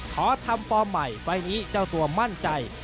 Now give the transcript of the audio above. ขอทำฟอร์มใหม่ไฟล์นี้เจ้าตัวมั่นใจ